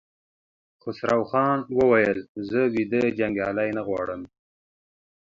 خسروخان وويل: زه ويده جنګيالي نه غواړم!